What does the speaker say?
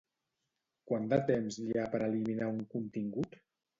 Quant de temps hi ha per eliminar un contingut?